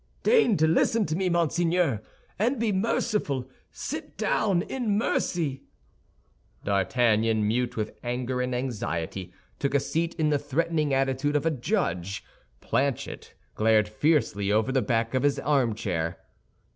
"Deign to listen to me, monseigneur, and be merciful! Sit down, in mercy!" D'Artagnan, mute with anger and anxiety, took a seat in the threatening attitude of a judge. Planchet glared fiercely over the back of his armchair.